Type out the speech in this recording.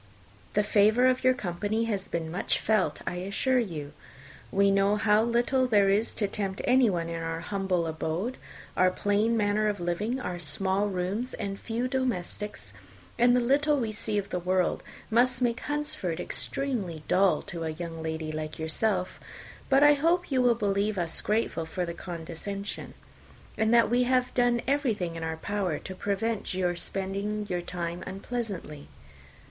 The favour of your company has been much felt, I assure you. We know how little there is to tempt anyone to our humble abode. Our plain manner of living, our small rooms, and few domestics, and the little we see of the world, must make Hunsford extremely dull to a young lady like yourself; but I hope you will believe us grateful for the condescension, and that we have done everything in our power to prevent you spending your time unpleasantly."